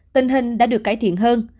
tình hình đã được cải thiện hơn